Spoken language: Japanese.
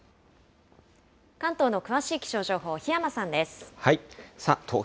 関東の詳しい気象情報、檜山さんです。